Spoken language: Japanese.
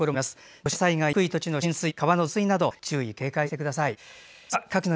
土砂災害や低い土地の浸水川の増水など注意、警戒してください。